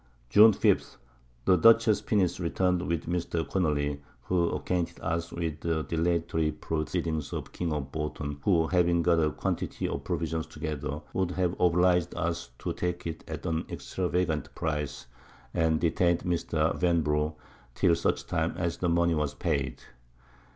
June 5. The Dutchess's Pinnace return'd with Mr. Connely, who acquainted us with the dilatory Proceedings of the King of Bouton, who having got a Quantity of Provisions together, would have oblig'd us to take it at an extravagant Price, and detain'd Mr. Vanbrugh, till such time as the Money was paid.